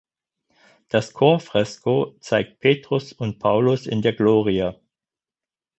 Das Chorfresko zeigt "Petrus und Paulus in der Glorie".